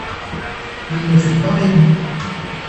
Il ne fut pas réélu.